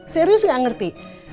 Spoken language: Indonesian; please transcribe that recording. serius gak ngerti